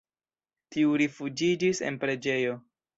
Tiu rifuĝiĝis en preĝejo.